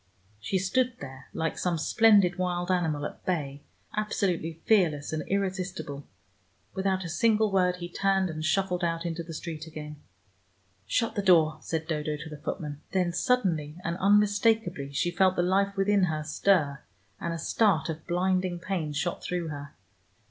She stood there like some splendid wild animal at bay, absolutely fearless and irresistible. Without a single word, he turned, and shuffled out into the street again. "Shut the door," said Dodo to the footman. Then suddenly and unmistakably she felt the life within her stir, and a start of blinding pain shot through her.